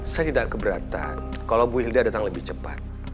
saya tidak keberatan kalau bu ilda datang lebih cepat